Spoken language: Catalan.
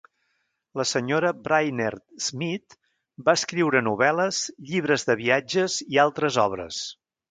La Sra. Brainerd Smith va escriure novel·les, llibres de viatges i altres obres.